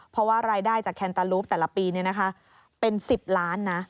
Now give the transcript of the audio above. เพราะว่ารายได้จากแคนตาลูปแต่ละปีเป็น๑๐ล้านนะ